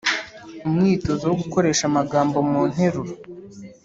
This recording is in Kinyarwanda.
Umwitozo wo gukoresha amagambo mu nteruro